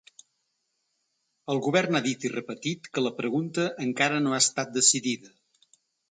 El govern ha dit i repetit que la pregunta encara no ha estat decidida.